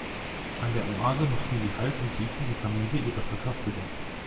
An der Oase machten sie Halt und ließen die Kamele ihre Höcker füllen.